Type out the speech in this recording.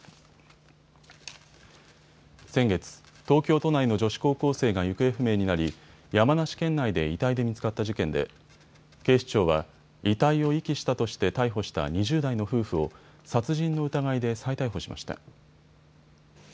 先月、東京都内の女子高校生が行方不明になり山梨県内で遺体で見つかった事件で警視庁は遺体を遺棄したとして逮捕した２０代の夫婦を殺人の疑いで再逮捕しました。